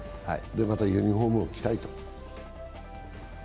で、またユニフォームも着たいと。